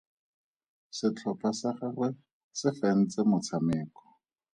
Setlhopha sa gagwe se fentse motshameko.